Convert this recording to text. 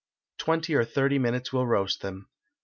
Twenty or thirty minutes will roast them.